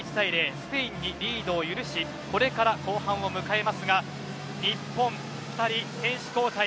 スペインにリードを許しこれから後半を迎えますが日本２人、選手交代。